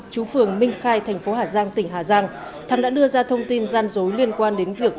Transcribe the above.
chú phường minh khai thành phố hà giang tỉnh hà giang thằng đã đưa ra thông tin gian dối liên quan đến việc